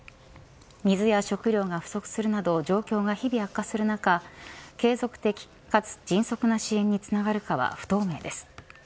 水や食料が不足するなど状況が日々悪化する中継続的かつ迅速な支援につながるかは不透明です。